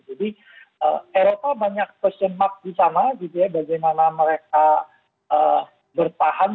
jadi eropa banyak kesempatan sama gitu ya bagaimana mereka bertahan